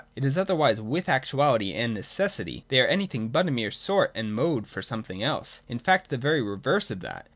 It is otherwise with Actuality and Necessity. They are anything but a mere sort and mode for something else : in fact the very reverse of that.